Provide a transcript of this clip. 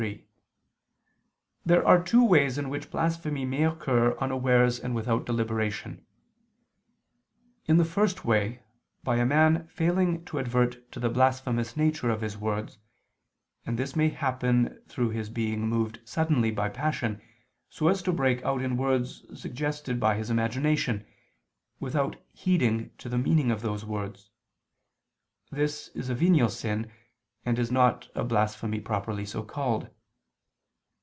3: There are two ways in which blasphemy may occur unawares and without deliberation. In the first way, by a man failing to advert to the blasphemous nature of his words, and this may happen through his being moved suddenly by passion so as to break out into words suggested by his imagination, without heeding to the meaning of those words: this is a venial sin, and is not a blasphemy properly so called.